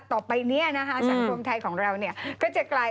ต่อไปเนี่ยนะฮะสังคมไทยของเราเนี่ย